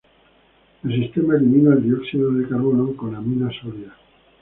El sistema elimina el dióxido de carbono con aminas sólidas.